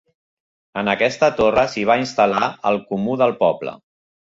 En aquesta torre s'hi va instal·lar el Comú del poble.